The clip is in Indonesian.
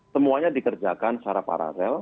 semuanya dikerjakan secara paralel